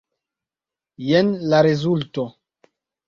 Jen la rezulto.